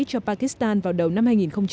cho pakistan vào đầu năm hai nghìn một mươi tám